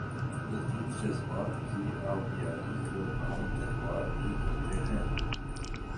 لطیف جذبات کی آبیاری کا کام تہوار بھی کرتے ہیں۔